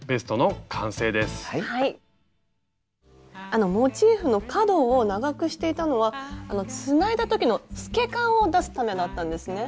あのモチーフの角を長くしていたのはあのつないだ時の透け感を出すためだったんですね。